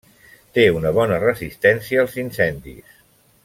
Té una bona resistència als incendis.